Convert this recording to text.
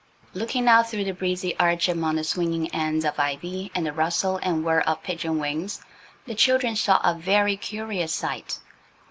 Looking out through the breezy arch among the swinging ends of ivy and the rustle and whir of pigeon wings, the children saw a very curious sight.